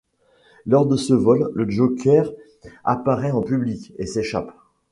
Lors de ce vol, le Joker apparaît en public, et s'échappe.